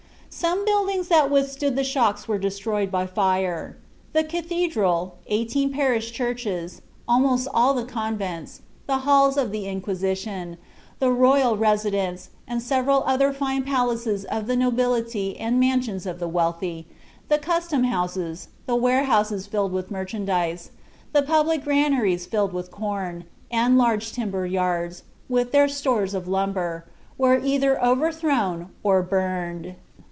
Some buildings that withstood the shocks were destroyed by fire. The cathedral, eighteen parish churches, almost all the convents, the halls of the inquisition, the royal residence, and several other fine palaces of the nobility and mansions of the wealthy, the custom houses, the warehouses filled with merchandise, the public granaries filled with corn, and large timber yards, with their stores of lumber, were either overthrown or burned.